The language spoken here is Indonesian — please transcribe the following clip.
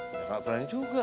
ya gak berani juga